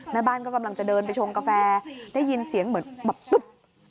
แม่บ้านก็กำลังจะเดินไปชงกาแฟได้ยินเสียงเหมือนแบบตุ๊บ